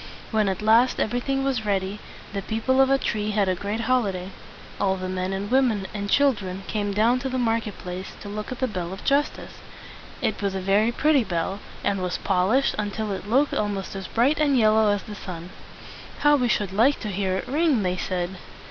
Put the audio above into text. When at last everything was ready, the people of Atri had a great holiday. All the men and women and children came down to the market place to look at the bell of justice. It was a very pretty bell, and was, pol ished until it looked almost as bright and yellow as the sun. "How we should like to hear it ring!" they said.